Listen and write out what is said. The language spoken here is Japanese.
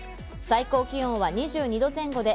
最高気温は２２度前後で